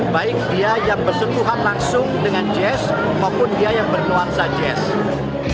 baik dia yang bersentuhan langsung dengan jazz maupun dia yang bernuansa jazz